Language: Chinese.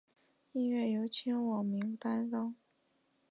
音乐由千住明担当。